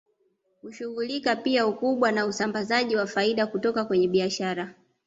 Hushughulika pia ukubwa na usambazaji wa faida kutoka kwenye biashara